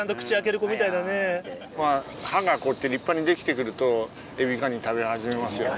歯がこうやって立派にできてくるとエビカニ食べ始めますよ。